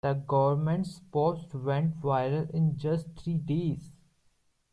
The government's post went viral in just three days.